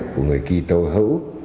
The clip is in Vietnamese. của người kỳ tô hữu